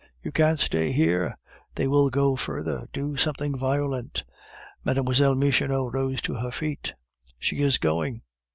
You can't stay here; they will go further, do something violent." Mlle. Michonneau rose to her feet. "She is going!